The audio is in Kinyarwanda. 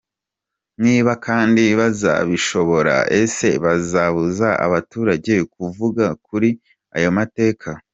Niba kandi bazabishobora ese bazabuza abaturage kuvuga kuri ayo mateka?.